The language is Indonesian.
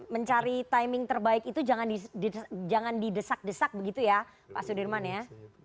mencari timing terbaik itu jangan didesak desak begitu ya pak sudirman ya